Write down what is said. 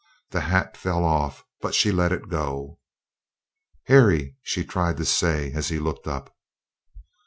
The hat fell off, but she let it go. "Harry!" she tried to say as he looked up.